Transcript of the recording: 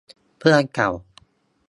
เพื่อนเก่า